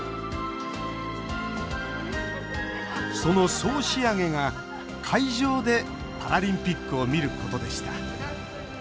その総仕上げが会場でパラリンピックを見ることでした。